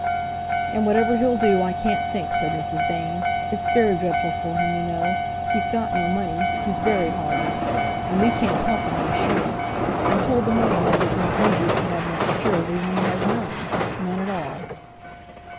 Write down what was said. "And whatever he'll do I can't think," said Mrs. Baynes; "it's very dreadful for him, you know—he's got no money—he's very hard up. And we can't help him, I'm sure. I'm told the money lenders won't lend if you have no security, and he has none—none at all."